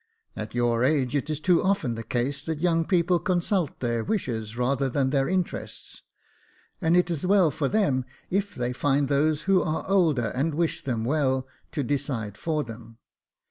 At your age, it is too often the case that young people consult their wishes rather than their interests ; and it is well for them if they find those who are older, and wish them well, to decide for them.